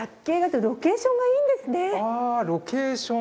ああロケーション